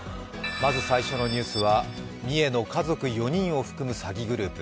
まず最初のニュースは三重の家族４人を含む詐欺グループ。